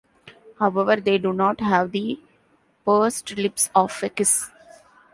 However, they do not have the pursed lips of a kiss.